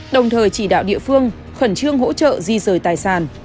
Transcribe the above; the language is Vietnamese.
đồng thời chỉ đạo địa phương khẩn trương hỗ trợ di rời tài sản